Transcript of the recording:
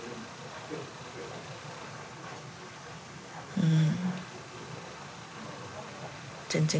うん。